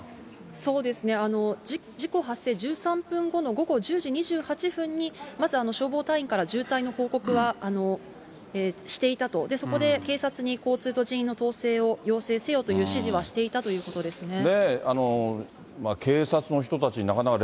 そうですね、事故発生１３分後の午後１０時２８分に、まず消防隊員から渋滞の報告はしていたと、そこで警察に交通と人員の統制を要請せよという指示はしていたということですね。